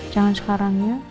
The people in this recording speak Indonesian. jangan sekarang ya